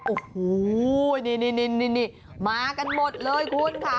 โอ้โหนี่มากันหมดเลยคุณค่ะ